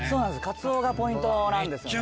かつおがポイントなんですよね